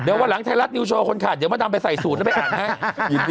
เดี๋ยววันหลังไทยรัฐนิวโชว์คนขาดเดี๋ยวมาดำไปใส่สูตรแล้วไปอ่านให้